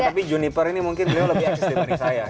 tapi juniper ini mungkin beliau lebih eksis dibanding saya